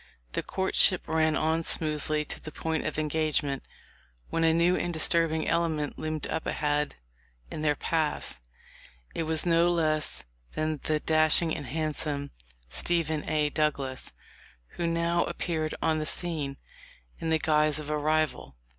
The courtship ran on smoothly to the point of engagement, when a new and disturb ing element loomed up ahead in their paths. It was no less than the dashing and handsome Stephen A. Douglas, who now appeared on the scene in the guise of a rival.